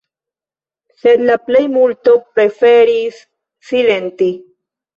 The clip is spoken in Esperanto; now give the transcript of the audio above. Sed la plejmulto preferis silenti.